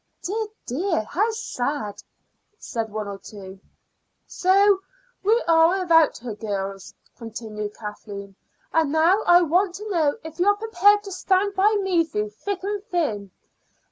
"Dear, dear, how sad!" said one or two. "So we are without her, girls," continued Kathleen. "And now I want to know if you are prepared to stand by me through thick and thin?"